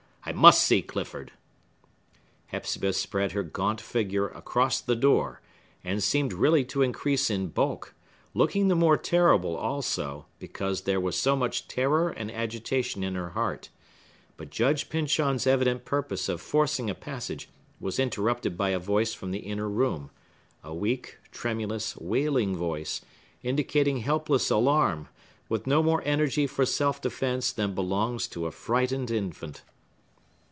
—I must see Clifford!" Hepzibah spread out her gaunt figure across the door, and seemed really to increase in bulk; looking the more terrible, also, because there was so much terror and agitation in her heart. But Judge Pyncheon's evident purpose of forcing a passage was interrupted by a voice from the inner room; a weak, tremulous, wailing voice, indicating helpless alarm, with no more energy for self defence than belongs to a frightened infant.